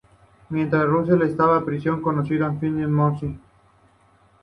Mientras Russell estaba en prisión, conoció a Phillip Morris, de quien rápidamente se enamoró.